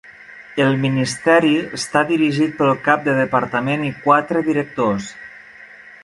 El ministeri està dirigit pel cap de departament i quatre directors.